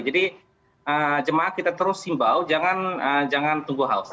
jadi jemaah kita terus simbau jangan tunggu haus